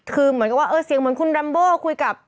คือเหมือนกับว่าเออเสียงเหมือนคุณดัมโบคุยกับ